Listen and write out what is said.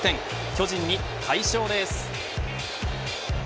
巨人に快勝です。